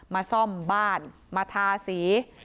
มาซ่อมบ้านมาทาสี